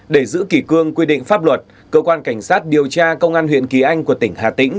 để giữ kỳ cương quy định pháp luật cơ quan cảnh sát điều tra công an huyện kỳ anh của tỉnh hà tĩnh